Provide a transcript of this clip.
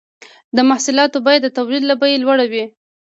د محصولاتو بیه د تولید له بیې لوړه وي